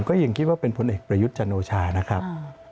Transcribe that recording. ก็ยังคิดว่าเป็นผลเอกประยุทธ์จันโอชานะครับ